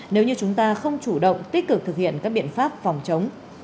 tích cực thực hiện các biện pháp phòng chống